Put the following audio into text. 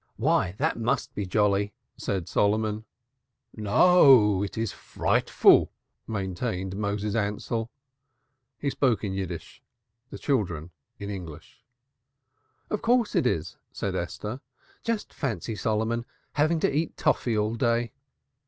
"Why, that must be jolly!" said Solomon. "No, that is frightful," maintained Moses Ansell. He spoke Yiddish, the children English. "Of course, it is," said Esther. "Just fancy, Solomon, having to eat toffy all day."